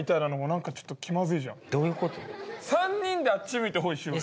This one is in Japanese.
３人であっち向いてホイしようよ。